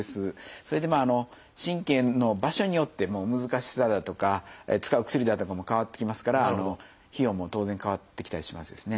それでまあ神経の場所によっても難しさだとか使う薬だとかも変わってきますから費用も当然変わってきたりしますですね。